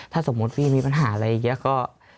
ถ้าสมมุติพี่มีปัญหาอะไรอย่างนี้ก็